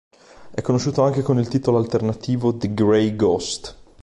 È conosciuto anche con il titolo alternativo "The Grey Ghost".